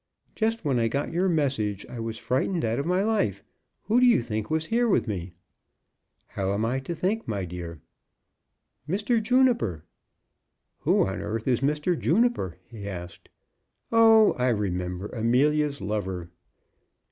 "Just when I got your message I was frightened out of my life. Who do you think was here with me?" "How am I to think, my dear?" "Mr. Juniper." "Who on earth is Mr. Juniper?" he asked. "Oh, I remember; Amelia's lover."